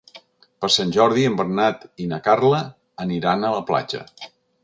Per Sant Jordi en Bernat i na Carla aniran a la platja.